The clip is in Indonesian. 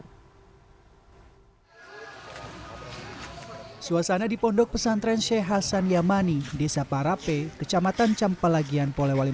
hai suasana di pondok pesantren syekh hasan yamani desa parape kecamatan campelagian polewali